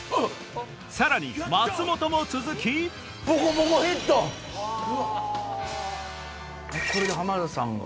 さらに松本も続きこれで浜田さんが。